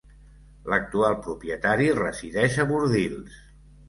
L'actual propietari resideix a Bordils.